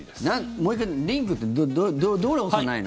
もう１回リンクってどれを押さないの？